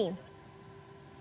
selamat malam pak doni